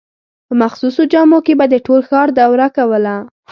په مخصوصو جامو کې به د ټول ښار دوره کوله.